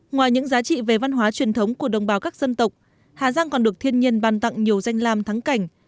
ngoài những giá trị về văn hóa truyền thống của đồng bào các dân tộc hà giang còn được thiên nhiên bàn tặng nhiều danh lam thắng cảnh